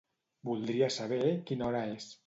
Voldria saber quina hora és.